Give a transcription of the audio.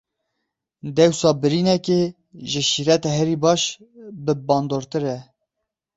Dewsa birînekê, ji şîreta herî baş bibandortir e.